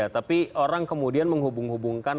tapi orang kemudian menghubung hubungkan